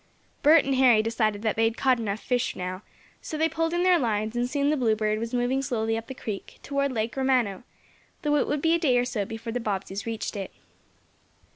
Bert and Harry decided that they had caught enough fish now, so they pulled in their lines, and soon the Bluebird was moving slowly up the creek, toward Lake Romano, though it would be a day or so before the Bobbseys reached it.